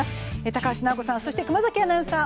高橋尚子さん、熊崎アナウンサー